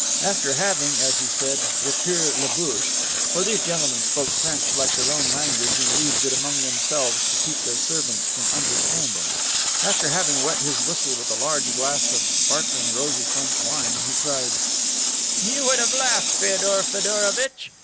After having, as he said, "recure la bouche" for these gentlemen spoke French like their own language and used it among themselves to keep their servants from understanding after having wet his whistle with a large glass of sparkling rosy French wine, he cried: "You would have laughed, Feodor Feodorovitch.